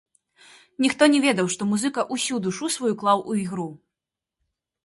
Ніхто не ведаў, што музыка ўсю душу сваю клаў у ігру.